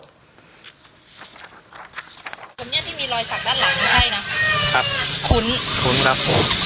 ตรงเนี้ยที่มีรอยสักด้านหลังใช่ไหมครับคุ้นคุ้นครับอ๋อ